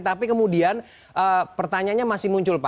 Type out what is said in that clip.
tapi kemudian pertanyaannya masih muncul pak